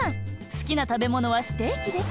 すきな食べ物はステーキです。